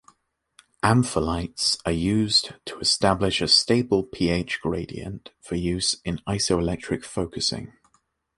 Ampholytes are used to establish a stable pH gradient for use in isoelectric focusing.